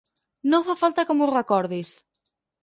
No fa falta que m'ho recordis.